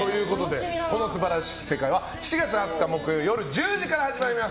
「この素晴らしき世界」は７月２０日木曜日夜１０時から始まります。